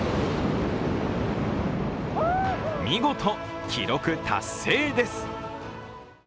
見事、記録達成です。